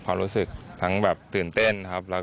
ความรู้สึกทั้งยอมเต้น